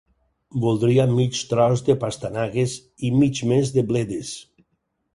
Voldria mig tros de pastanagues i mig més de bledes.